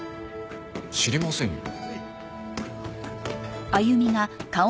知りませんよ。